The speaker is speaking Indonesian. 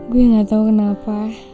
gue gak tau kenapa